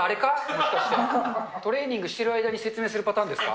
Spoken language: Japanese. もしかして、トレーニングしてる間に説明するパターンですか？